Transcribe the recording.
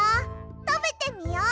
たべてみよう。